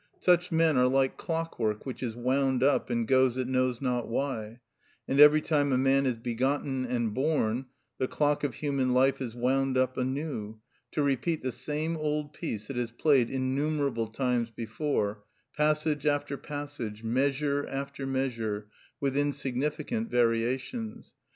Such men are like clockwork, which is wound up, and goes it knows not why; and every time a man is begotten and born, the clock of human life is wound up anew, to repeat the same old piece it has played innumerable times before, passage after passage, measure after measure, with insignificant variations.